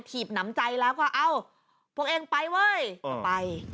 ีบน้ำใจแล้วก็เอ้าพวกเองไปเว้ยก็ไป